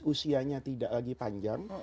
usianya tidak lagi panjang